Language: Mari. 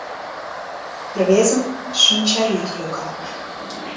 Рвезын шинчавӱд йога.